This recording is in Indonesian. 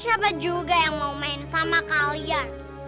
siapa juga yang mau main sama kalian